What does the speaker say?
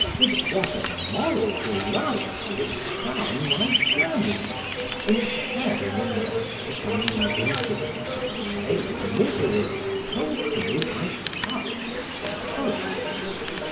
with what a moral delight will it crown my journey, in sharing in the sickening incidents of a tale of misery told to me by such a sufferer?